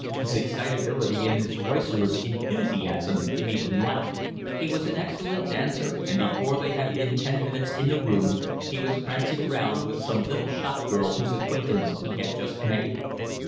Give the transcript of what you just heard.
His excitability and his roisterous enthusiasm made them laugh. He was an excellent dancer, and before they had been ten minutes in the room he was prancing round with some little shop girl whose acquaintance he had just made.